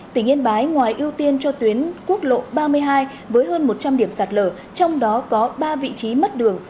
tỉnh yên bái ngoài ưu tiên cho tuyến quốc lộ ba mươi hai với hơn một trăm linh điểm sạt lở trong đó có ba vị trí mất đường